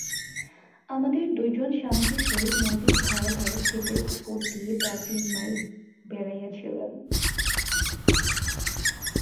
আমাদের দুইজন স্বামীজীর সহিত নদীর ধারে ধারে ক্ষেতের উপর দিয়া প্রায় তিন মাইল বেড়াইয়াছিলেন।